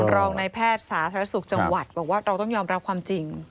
รองนายแพทย์สาธารณสุขจังหวัดบอกว่าเราต้องยอมรับความจริง